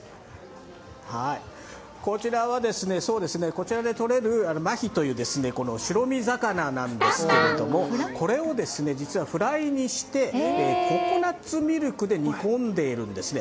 こちらでとれるマヒという白身魚なんですが、これを実はフライにしてココナッツミルクで煮込んでいるんですね。